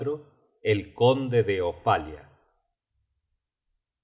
El Conde de Ofalia.